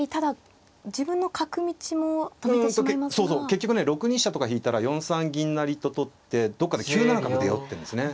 結局ね６二飛車とか引いたら４三銀成と取ってどっかで９七角出ようっていうんですね。